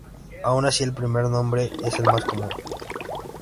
Aun así, el primer nombre es el más común.